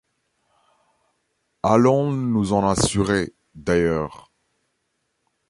Allons nous en assurer, d’ailleurs.